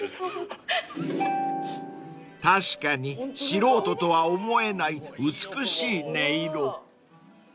［確かに素人とは思えない美しい音色］